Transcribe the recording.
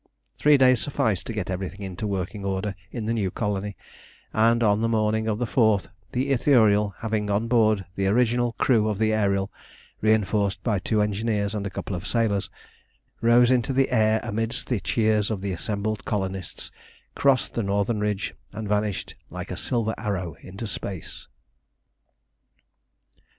Three days sufficed to get everything into working order in the new colony, and on the morning of the fourth the Ithuriel, having on board the original crew of the Ariel, reinforced by two engineers and a couple of sailors, rose into the air amidst the cheers of the assembled colonists, crossed the northern ridge, and vanished like a silver arrow into space.